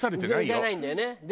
できないんだよね。